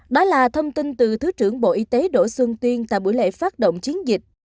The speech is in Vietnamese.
đó là thông tin từ thứ trưởng bộ y tế đỗ xuân tuyên tại buổi lễ phát động chiến dịch